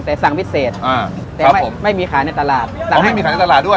แต่สั่งพิเศษอ่าแต่ไม่ไม่มีขายในตลาดสั่งให้มีขายในตลาดด้วย